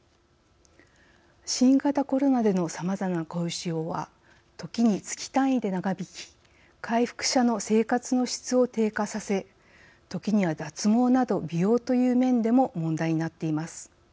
新型コロナでのさまざまな後遺症は時に月単位で長引き回復者の生活の質を低下させ時には、脱毛など美容という面でも問題になっています。